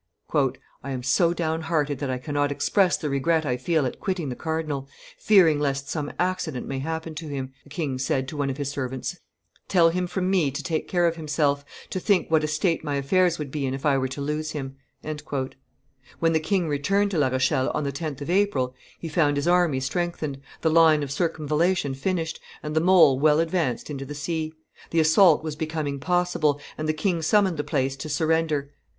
"I am so downhearted that I cannot express the regret I feel at quitting the cardinal, fearing lest some accident may happen to him," the king had said to one of his servants: "tell him from me to take care of himself, to think what a state my affairs would be in if I were to lose him." When the king returned to La Rochelle on the 10th of April, he found his army strengthened, the line of circumvallation finished, and the mole well advanced into the sea; the assault was becoming possible, and the king summoned the place to surrender.